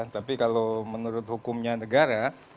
tapi kalau menurut hukumnya negara